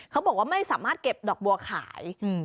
เขาบอกว่าไม่สามารถเก็บดอกบัวขาย